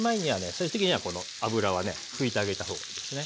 最終的にはこの油はね拭いてあげた方がいいですね。